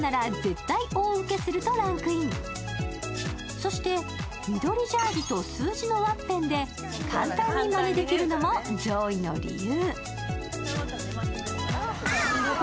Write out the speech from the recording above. そして緑ジャージーと数字のワッペンで簡単にまねできるのも上位の理由。